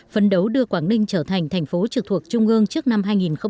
phấn đấu đưa quảng ninh trở thành thành phố trực thuộc trung ương trước năm hai nghìn ba mươi